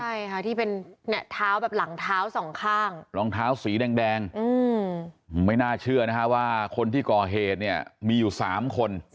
ใช่ค่ะที่เป็นเท้าแบบหลังเท้าสองข้างรองเท้าสีแดงไม่น่าเชื่อนะฮะว่าคนที่ก่อเหตุเนี่ยมีอยู่๓คน